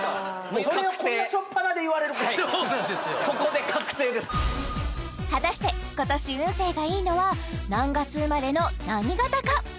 ここで確定です果たして今年運勢がいいのは何月生まれの何型か？